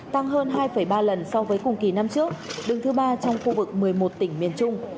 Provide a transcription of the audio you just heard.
tăng hơn hai ba lần so với cùng kỳ năm trước đứng thứ ba trong khu vực một mươi một tỉnh miền trung